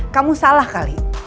kamu salah kali